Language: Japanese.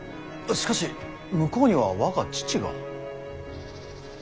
しかし向こうには我が父が。